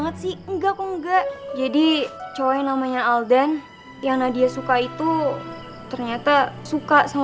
eh jangan jangan belum waktunya